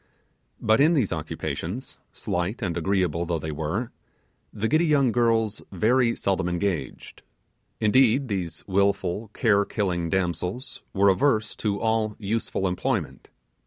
But in these occupations, slight and agreeable though they were, the giddy young girls very seldom engaged. Indeed these wilful care killing damsels were averse to all useful employment.